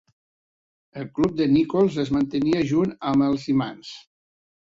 El cub de Nichols es mantenia junt amb els imants.